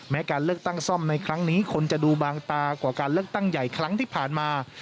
การเลือกตั้งซ่อมในครั้งนี้คนจะดูบางตากว่าการเลือกตั้งใหญ่ครั้งที่ผ่านมา